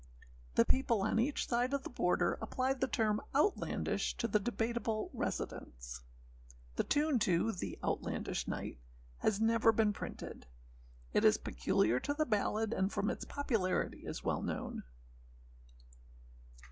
The people on each side of the border applied the term âoutlandishâ to the Debateable residents. The tune to The Outlandish Knight has never been printed; it is peculiar to the ballad, and, from its popularity, is well known.